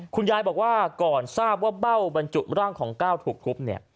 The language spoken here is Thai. คุณยายบอกว่าก่อนทราบว่าเบ้าบรรจุร่างของก้าวถูกทุบเนี่ย